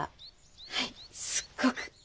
はいすっごく。